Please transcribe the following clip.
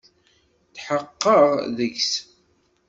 Tḥeqqeɣ deg-s.